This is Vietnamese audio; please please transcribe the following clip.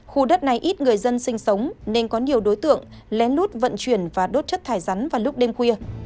khu đất này ít người dân sinh sống nên có nhiều đối tượng lén lút vận chuyển và đốt chất thải rắn vào lúc đêm khuya